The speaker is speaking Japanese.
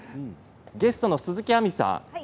ゲストの鈴木亜美さん